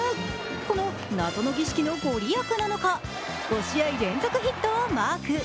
この謎の儀式の御利益なのか５試合連続ヒットをマーク。